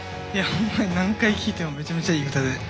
ほんまに何回聴いてもめちゃめちゃいい歌で。